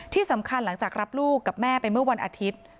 ที่สำคัญหลังจากรับลูกกับแม่ไปเมื่อวันอาทิตย์